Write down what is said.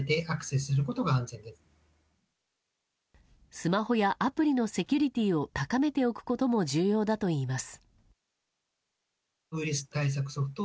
スマホやアプリのセキュリティーを高めておくことも重要だといいます。